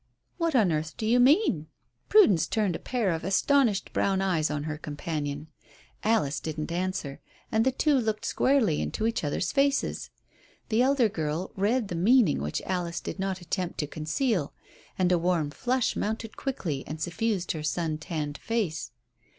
"What on earth do you mean?" Prudence turned a pair of astonished brown eyes on her companion. Alice didn't answer, and the two looked squarely into each other's faces. The elder girl read the meaning which Alice did not attempt to conceal, and a warm flush mounted quickly and suffused her sun tanned face.